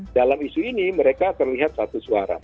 dalam isu ini mereka terlihat satu suara